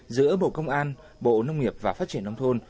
giữa bộ công an bộ nông nghiệp và phát triển nông thôn